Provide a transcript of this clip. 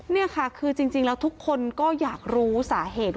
นี่ค่ะคือจริงแล้วทุกคนก็อยากรู้สาเหตุว่า